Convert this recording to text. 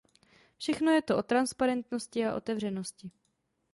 Všechno je to o transparentnosti a otevřenosti.